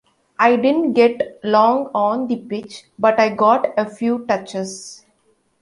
I didn't get long on the pitch, but I got a few touches.